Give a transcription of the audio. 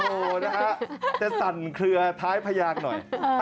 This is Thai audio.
ก็โหแต่สั่นเคลือท้ายพยากหน่อย